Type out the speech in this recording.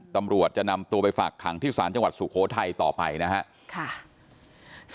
ตำรวจจะนำตัวไปฝากขังที่ศาลจังหวัดสุโขทัยต่อไปนะครับ